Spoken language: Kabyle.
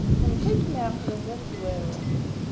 D nekk ay kem-iɛeqlen d amezwaru.